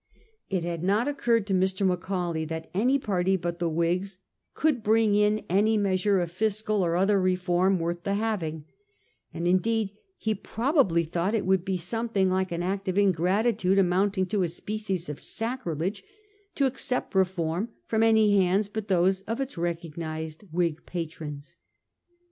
It had not occurred to Mr. Macaulay that any party but the Whigs could bring in any measure of fiscal or other reform worth the having ; and in deed he probably thought it would be something like an act of ingratitude amounting to a species of sacri lege to accept reform from any hands but those of its recognised Whig patrons.